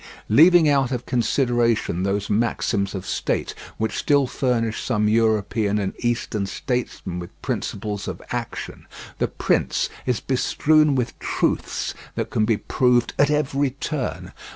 Leaving out of consideration those maxims of state which still furnish some European and eastern statesmen with principles of action, The Prince is bestrewn with truths that can be proved at every turn.